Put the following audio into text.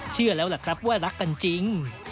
เชื่อแล้วล่ะครับว่ารักกันจริง